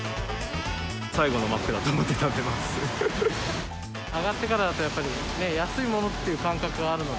最後のマックだと思って食べ上がってからだとやっぱり、安いものっていう感覚があるので。